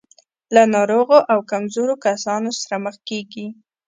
له ناروغو او کمزورو کسانو سره مخ کېږي.